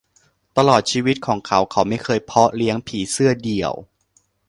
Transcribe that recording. ตลอดชีวิตของเขา เขาไม่เคยเพาะเลี้ยงผีเสื้อเดี่ยว